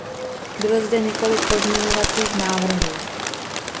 Bylo zde několik pozměňovacích návrhů.